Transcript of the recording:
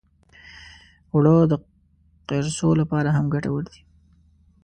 اوړه د قرصو لپاره هم ګټور دي